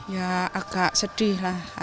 ya agak sedih lah